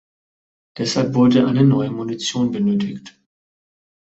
Deshalb wurde eine neue Munition benötigt.